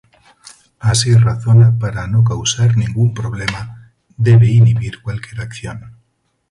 Así razona que para no causar ningún problema, debe inhibir cualquier acción.